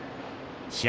試合